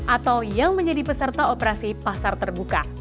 atau yang menjadi peserta operasi pasar terbuka